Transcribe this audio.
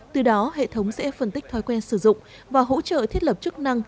từ đó hệ thống sẽ phân tích thói quen sử dụng và hỗ trợ thiết lập chức năng